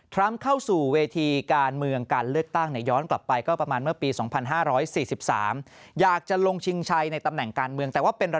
ทรัมป์เข้าสู่เวทีการเมืองการเลือกตั้ง